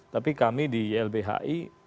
tapi kami di ilbhi